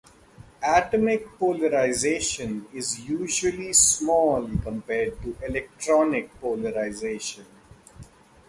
Atomic polarization is usually small compared to electronic polarization.